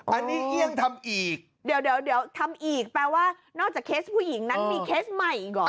อันนี้เอี่ยงทำอีกเดี๋ยวทำอีกแปลว่านอกจากเคสผู้หญิงนั้นมีเคสใหม่อีกเหรอ